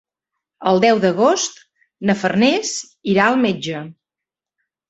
El deu d'agost na Farners irà al metge.